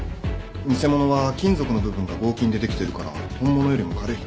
偽物は金属の部分が合金でできてるから本物よりも軽い。